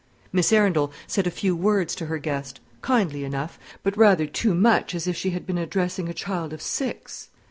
Miss Arundel said a few words to her guest; kindly enough; but rather too much as if she had been addressing a child of six.